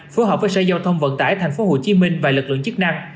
phù hợp với xe giao thông vận tải tp hcm và lực lượng chức năng